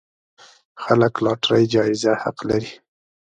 خلک لاټرۍ جايزه حق لري.